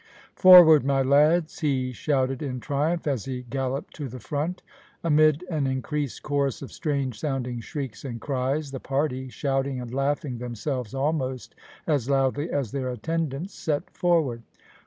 "Forward, my lads," he shouted in triumph, as he galloped to the front. Amid an increased chorus of strange sounding shrieks and cries, the party, shouting and laughing themselves almost as loudly as their attendants, set forward.